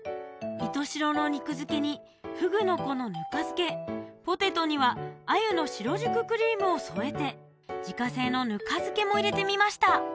石徹白の肉漬けにふぐの子のぬか漬ポテトには鮎の白熟クリームを添えて自家製のぬか漬も入れてみました